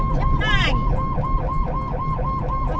ผู้ชีพเราบอกให้สุจรรย์ว่า๒